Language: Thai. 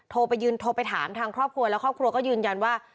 โทรไปถามทางครอบครัวแล้วครอบครัวก็ยืนยันว่า